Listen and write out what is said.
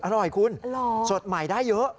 อร่อยคุณสดใหม่ได้เยอะ